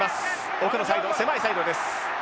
奥のサイド狭いサイドです。